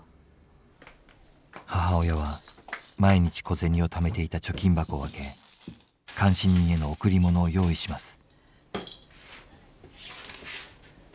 母親は毎日小銭をためていた貯金箱を開け監視人への贈り物を用意します。